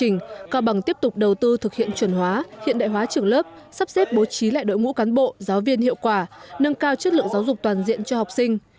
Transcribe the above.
nâng cao chất lượng giáo dục toàn diện cho học sinh